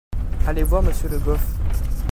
Allez voir monsieur Le Goff.